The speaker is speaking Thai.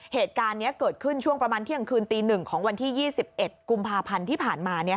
เหตุการณ์นี้เกิดขึ้นช่วงประมาณเที่ยงคืนตี๑ของวันที่๒๑กุมภาพันธ์ที่ผ่านมา